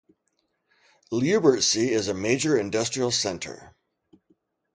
Lyubertsy is a major industrial center.